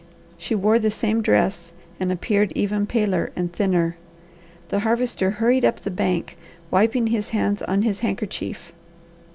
She wore the same dress and appeared even paler and thinner. The Harvester hurried up the bank, wiping his hands on his handkerchief.